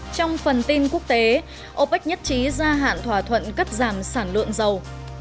trong phần tin quốc tế opec nhất trí gia hạn thỏa thuận cắt giảm sản lượng dầu